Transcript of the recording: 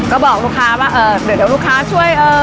ก็บอกลูกค้าว่าเออเดี๋ยวลูกค้าช่วยเออ